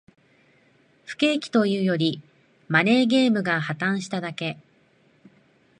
不景気というより、マネーゲームが破綻しただけ